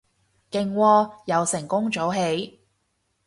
勁喎，又成功早起